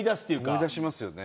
思い出しますよね。